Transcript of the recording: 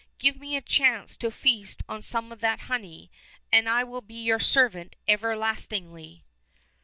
Give me a chance to feast on some of that honey, and I will be your servant everlastingly."